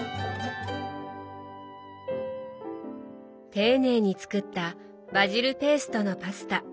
丁寧に作った「バジルペーストのパスタ」。